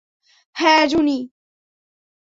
হ্যাঁ, জুনি!